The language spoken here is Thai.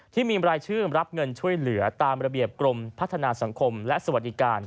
ที่มีรายชื่อรับเงินช่วยเหลือตามระเบียบกรมพัฒนาสังคมและสวัสดิการ